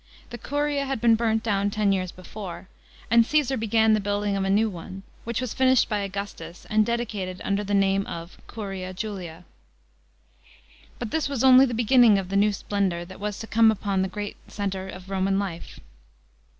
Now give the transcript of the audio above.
The Curia had been burnt down ten years before, and Caesar began tKe building of a new one, which was finished by Augustus and dedicated under the name of Curia Julia.* But this was only the beginning of the new splendour that was to come upon the great centre of Roman life.